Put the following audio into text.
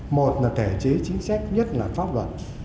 một là thể chế chính sách nhất là pháp luật